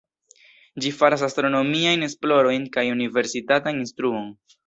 Ĝi faras astronomiajn esplorojn kaj universitatan instruon.